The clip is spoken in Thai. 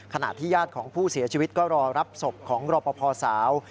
ขณะที่ญาติของผู้เสียชีวิตก็รอรับศพของรอปภสาว